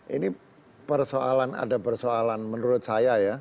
ini persoalan ada persoalan menurut saya ya